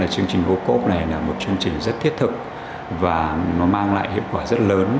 chương trình ô cốp này là một chương trình rất thiết thực và nó mang lại hiệu quả rất lớn